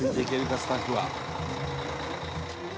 スタッフは」